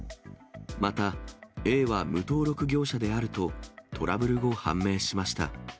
また、Ａは無登録業者であると、トラブル後、判明しました。